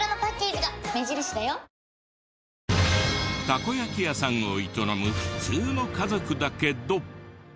たこ焼き屋さんを営む普通の家族だけど。